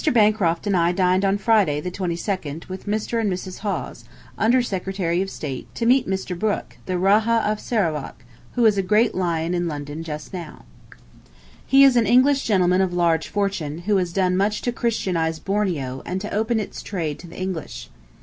Bancroft and I dined on Friday, the 22d, with Mr. and Mrs. Hawes, under Secretary of State, to meet Mr. Brooke, the Rajah of Sarawak, who is a great lion in London just now. He is an English gentleman of large fortune who has done much to Christianize Borneo, and to open its trade to the English.